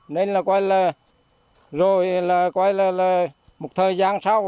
nên là quay là rồi là quay là một thời gian sau